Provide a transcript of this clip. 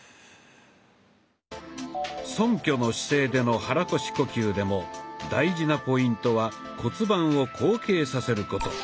そんきょの姿勢での肚腰呼吸でも大事なポイントは骨盤を後傾させること。